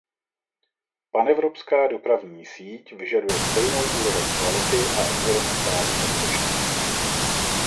Panevropská dopravní síť vyžaduje stejnou úroveň kvality a environmentální bezpečnosti.